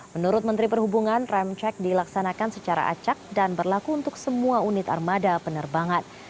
menurut menteri perhubungan rem cek dilaksanakan secara acak dan berlaku untuk semua unit armada penerbangan